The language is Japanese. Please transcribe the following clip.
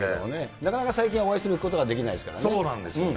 なかなか、最近はお会いすることができないですからね。そうなんですよね。